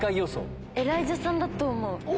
エライザさんだと思う。